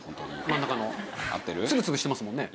真ん中の粒々してますもんね。